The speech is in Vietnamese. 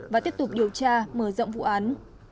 và tiếp tục điều tra mở rộng vụ án